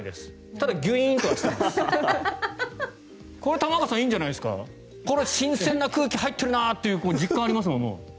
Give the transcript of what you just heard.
玉川さん、いいんじゃないですか新鮮な空気入ってるなという実感がありますよ。